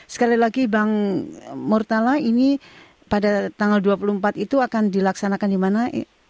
sekali lagi bang murtala ini pada tanggal dua puluh empat itu akan dilaksanakan di mana